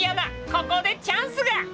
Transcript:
ここでチャンスが！